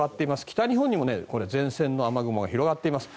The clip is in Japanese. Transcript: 北日本にも前線の雨雲が広がっています。